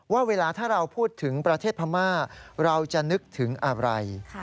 ว่าเวลาถ้าเราพูดถึงประเทศพม่าเราจะนึกถึงอะไร